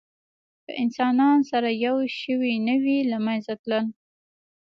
که انسانان سره یو شوي نه وی، له منځه تلل.